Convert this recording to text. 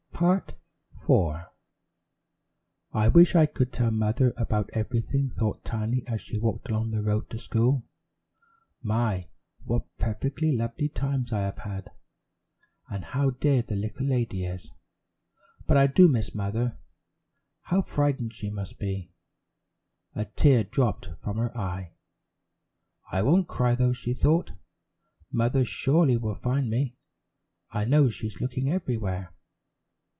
Tiny's Mother Finds Her "I wish I could tell mother about everything," thought Tiny as she walked along the road to school. "My, what perfectly lovely times I have had, and how dear the little lady is; but I do miss mother. How frightened she must be!" A tear dropped from her eye. "I won't cry, though," she thought. "Mother surely will find me! I know she's looking everywhere!"